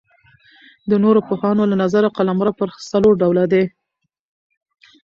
د نورو پوهانو له نظره قلمرو پر څلور ډوله دئ.